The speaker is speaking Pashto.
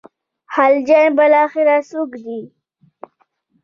خلجیان بالاخره څوک دي.